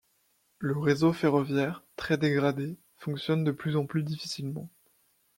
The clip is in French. Le réseau ferroviaire, très dégradé, fonctionne de plus en plus difficilement.